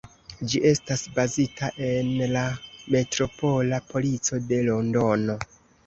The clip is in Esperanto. Ĝi estas bazita en la Metropola Polico de Londono.